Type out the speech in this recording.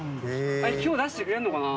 今日出してくれるのかな？